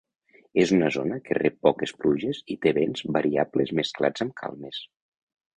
És una zona que rep poques pluges i té vents variables mesclats amb calmes.